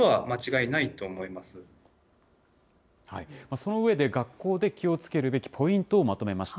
その上で、学校で気をつけるべきポイントをまとめました。